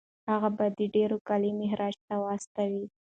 هغه به ډیر کالي مهاراجا ته واستوي.